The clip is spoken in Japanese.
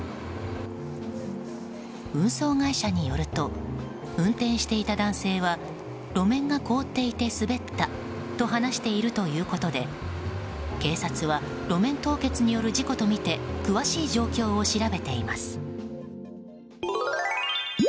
運送会社によると運転していた男性は路面が凍っていて滑ったと話しているということで警察は路面凍結による事故とみて詳しい状況を調べています。